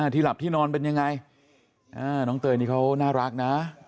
หลับที่นอนเป็นยังไงน้องเตยนี่เขาน่ารักนะ